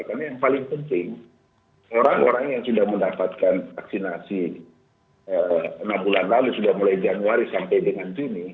karena yang paling penting orang orang yang sudah mendapatkan vaksinasi enam bulan lalu sudah mulai januari sampai dengan juni